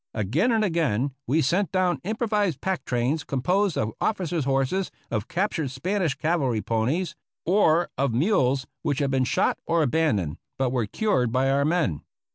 Again and again we sent down improvised pack trains composed of officers' horses, of captured Spanish cavalry ponies, or of mules which had been shot or aban doned but were cured by our men.